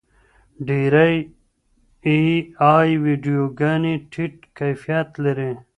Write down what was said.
ډېرې اې ای ویډیوګانې ټیټ کیفیت لري.